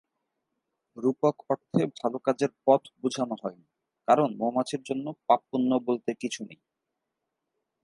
রূপক অর্থে ভালো কাজের পথ বুঝানো হয়নি, কারণ মৌমাছির জন্য পাপ-পূণ্য বলতে কিছু নেই।